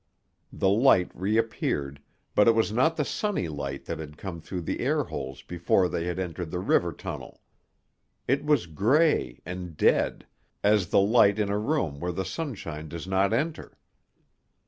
The light reappeared, but it was not the sunny light that had come through the air holes before they had entered the river tunnel. It was grey and dead, as the light in a room where the sunshine does not enter.